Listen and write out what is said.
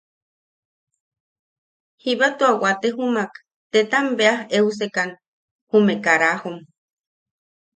Jiba tua waate jumak tetam beas eusekan jume karajom.